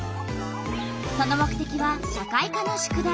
その目てきは社会科の宿題。